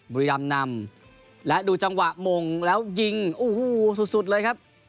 บุรีรำนำและดูจังหวะมงแล้วยิงโอ้โหสุดสุดเลยครับ